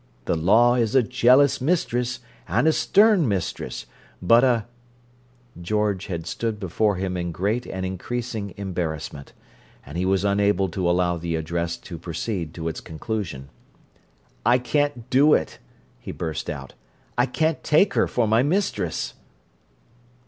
The law is a jealous mistress and a stern mistress, but a—" George had stood before him in great and increasing embarrassment; and he was unable to allow the address to proceed to its conclusion. "I can't do it!" he burst out. "I can't take her for my mistress."